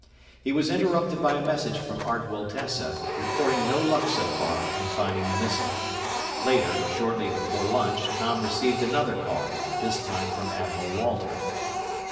He was interrupted by a message from Art Wiltessa, reporting no luck so far in finding the missile. Later, shortly before lunch, Tom received another call, this time from Admiral Walter.